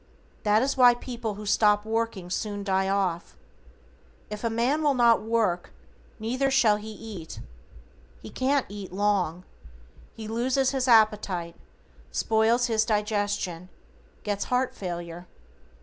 That is why people who stop working soon die off. "If a man will not work, neither shall he eat." He can't eat long. He loses his appetite, spoils his digestion, gets heart failure.